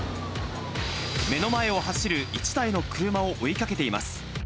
目の前を走る１台の車を追いかけています。